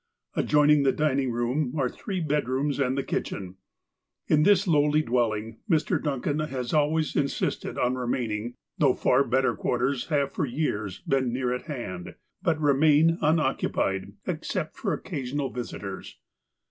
Adjoining the dining room are three bed rooms and the kitchen. In this lowly dwelling, Mr. Duncan has always insisted on remaining, though far better quarters have for years been near at hand, but remain unoccupied, except for occasional visitors.